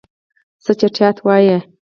څه چټياټ وايي.